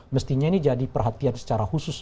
mestinya ini jadi perhatian secara khusus